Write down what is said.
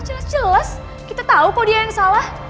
jelas jelas kita tahu kok dia yang salah